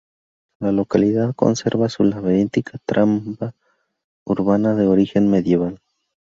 La localidad conserva su laberíntica trama urbana de origen medieval.